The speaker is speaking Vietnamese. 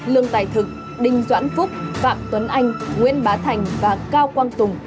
lương tài thực đinh doãn phúc phạm tuấn anh nguyễn bá thành và cao quang tùng